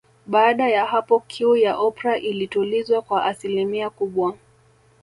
Baada ya hapo kiu ya Oprah ilitulizwa kwa asilimia kubwa